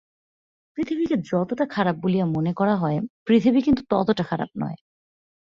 পৃথিবীকে যতটা খারাপ বলিয়া মনে করা হয়, পৃথিবী কিন্তু ততটা খারাপ নয়।